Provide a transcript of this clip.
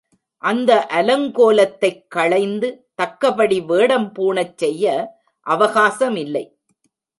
அந்த அலங் கோலத்தைக் களைந்து தக்கபடி வேடம் பூணச்செய்ய அவகாசமில்லை!